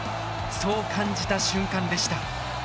そう感じた瞬間でした。